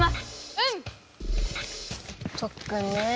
うん！とっくんねえ。